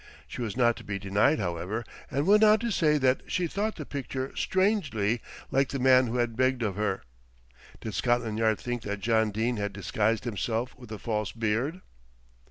She was not to be denied, however, and went on to say that she thought the picture strangely like the man who had begged of her. Did Scotland Yard think that John Dene had disguised himself with a false beard?